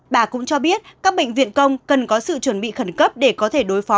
bà cũng cho biết các bệnh viện công cần có sự chuẩn bị khẩn cấp để có thể đối phó